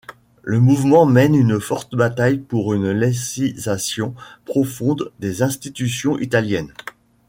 Le mouvement mène une forte bataille pour une laicisation profonde des institutions italiennes.